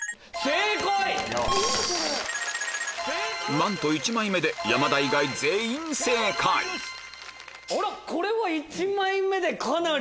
なんと１枚目で山田以外全員正解これは１枚目でかなり。